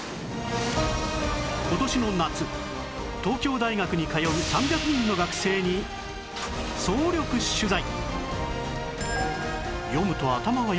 今年の夏東京大学に通う３００人の学生に総力取材！